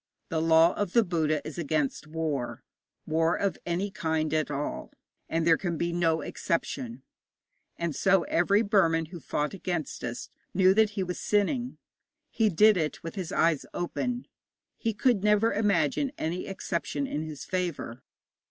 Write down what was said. The law of the Buddha is against war war of any kind at all and there can be no exception. And so every Burman who fought against us knew that he was sinning. He did it with his eyes open; he could never imagine any exception in his favour.